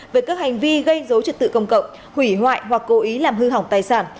về các hành vi gây dối trật tự công cộng hủy hoại hoặc cố ý làm hư hỏng tài sản